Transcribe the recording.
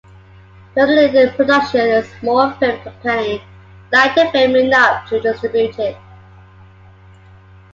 Tonylyn Productions, a small film company, liked the film enough to distribute it.